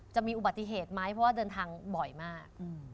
จะมีอุบัติเหตุไหมเพราะว่าเดินทางบ่อยมาก